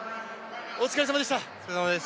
お疲れさまでした。